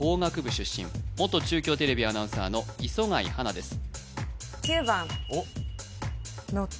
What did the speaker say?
出身元中京テレビアナウンサーの磯貝初奈です